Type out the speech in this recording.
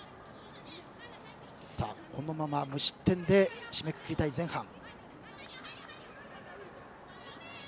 このまま無失点で締めくくりたい前半。